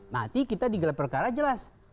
nanti kita digelar perkara jelas